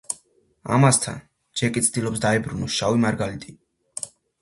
ამასთან, ჯეკი ცდილობს, დაიბრუნოს „შავი მარგალიტი“